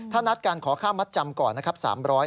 ถ้านัดการขอค่ามัดจำก่อนนะครับ